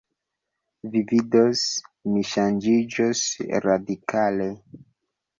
Vi vidos, mi ŝanĝiĝos radikale.